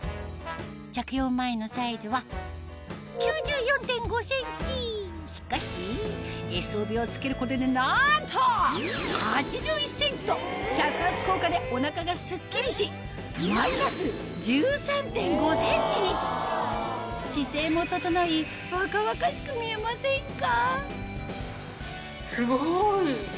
着用前のサイズはしかしＳ帯を着けることでなんと８１ｃｍと着圧効果でお腹がスッキリし姿勢も整い若々しく見えませんか？